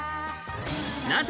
なぜ？